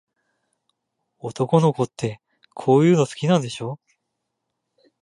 男の子って、こういうの好きなんでしょ。